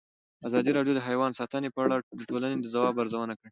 ازادي راډیو د حیوان ساتنه په اړه د ټولنې د ځواب ارزونه کړې.